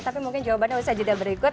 tapi mungkin jawabannya usah jeda berikut